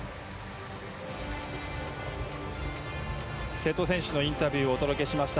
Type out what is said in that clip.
瀬戸選手のインタビューをお届けしました。